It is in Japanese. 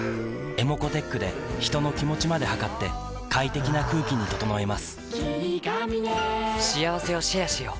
ｅｍｏｃｏーｔｅｃｈで人の気持ちまで測って快適な空気に整えます